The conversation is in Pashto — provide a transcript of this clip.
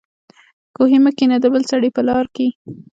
کوهي مه کينه دبل سړي په لار کي